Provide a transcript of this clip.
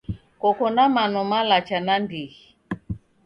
Koko na mano malacha nandighi.